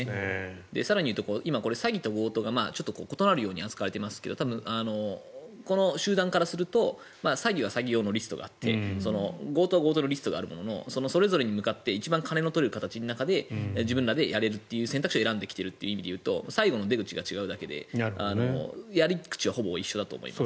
更に言うと今、詐欺と強盗が異なるように扱われていますがこの集団からすると詐欺は詐欺用のリストがあって強盗は強盗のリストがあるもののそれぞれに向かって一番、金の取れるやり方で自分らでやれる選択肢でやってきているというと最後の出口が違うだけでやり口はほぼ一緒だと思います。